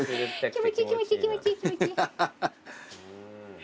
気持ちいい気持ちいい気持ちいい気持ちいい。